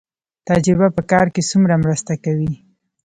تجربه په کار کې څومره مرسته کوي؟